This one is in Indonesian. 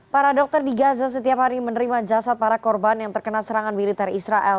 para dokter di gaza setiap hari menerima jasad para korban yang terkena serangan militer israel